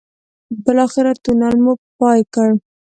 بالاخره تونل مو پای کړ.